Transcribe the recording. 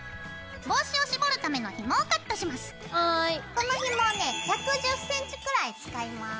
このひもをね１１０ｃｍくらい使います。